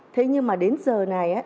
thế nhưng mà đến giờ này